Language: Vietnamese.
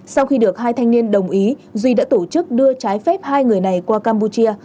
sau khi được hai thanh niên đồng ý duy đã tổ chức đưa trái phép hai người này qua campuchia